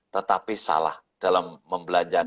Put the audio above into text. tetapi salah dalam membelanjakan